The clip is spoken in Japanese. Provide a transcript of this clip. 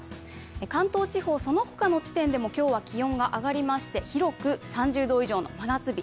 関東地方、そのほかの地点でも今日は気温が上がりまして、広く３０度以上の真夏日。